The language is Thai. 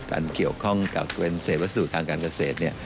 เกี่ยวข้องกับเป็นเศษวัสดุทางการเกษตร